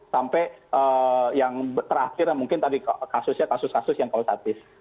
sampai yang terakhir mungkin tadi kasusnya kasus kasus yang kalau saat ini